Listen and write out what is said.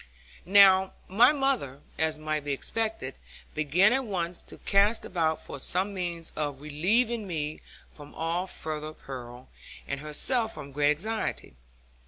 Now my mother, as might be expected, began at once to cast about for some means of relieving me from all further peril, and herself from great anxiety.